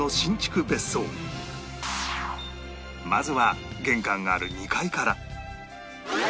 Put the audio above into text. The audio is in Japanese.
まずは玄関がある２階から